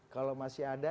kalau masih ada